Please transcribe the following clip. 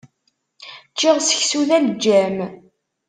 Ččiɣ seksu d aleǧǧam.